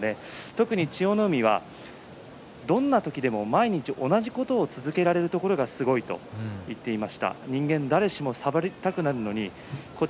特に千代の海はどんな時でも毎日、同じことを続けられるところがすごいと言っていました。